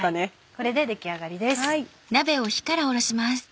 これで出来上がりです。